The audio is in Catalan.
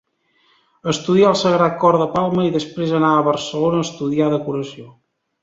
Estudià al Sagrat Cor de Palma i després anà a Barcelona a estudiar decoració.